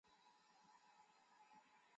朗屈雷勒人口变化图示